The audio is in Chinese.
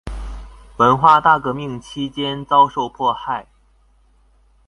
文化大革命期间遭受迫害。